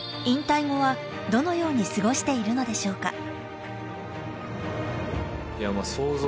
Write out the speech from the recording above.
引退後はどのように過ごしているのでしょうか？